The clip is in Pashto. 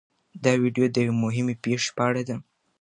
دا ویډیو د یوې مهمې پېښې په اړه ده.